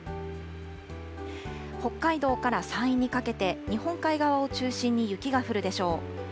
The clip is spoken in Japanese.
北海道から山陰にかけて、日本海側を中心に雪が降るでしょう。